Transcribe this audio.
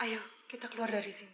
ayo kita keluar dari sini